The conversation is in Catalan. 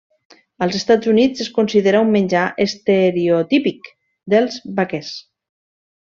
Als Estats Units es considera un menjar estereotípic dels vaquers.